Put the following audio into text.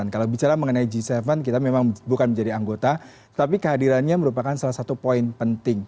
kalau bicara mengenai g tujuh kita memang bukan menjadi anggota tapi kehadirannya merupakan salah satu poin penting